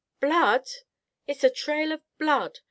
"Blood! It is a trail of blood.